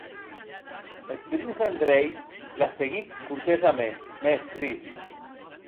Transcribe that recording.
Eth prince Andrei la seguic cortesaments, mès trist.